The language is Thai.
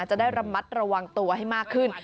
จะได้ระมัดระวังตัวให้มากขึ้น